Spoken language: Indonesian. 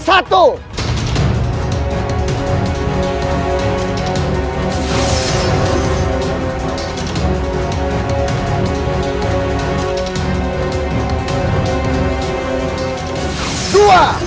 aku ingin mengambil kesalahanmu